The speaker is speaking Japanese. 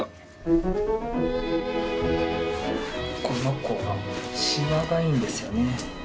この子はしわがいいんですよね。